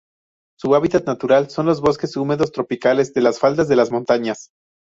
Su hábitat natural son los bosques húmedos tropicales de las faldas de las montañas.